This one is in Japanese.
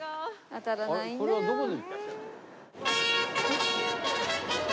これはどこに？